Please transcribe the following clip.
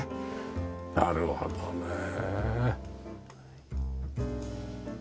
なるほどねえ。